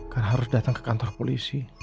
karena harus datang ke kantor polisi